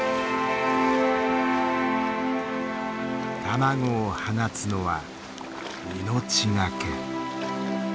卵を放つのは命懸け。